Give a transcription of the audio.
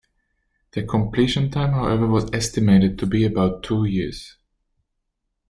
The completion time however was estimated to be about two years.